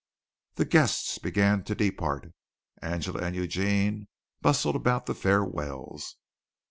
The guests began to depart. Angela and Eugene bustled about the farewells.